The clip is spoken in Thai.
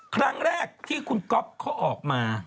ครั้งแรกที่คุณก๊อฟเขาออกมา